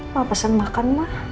mama pesen makan ma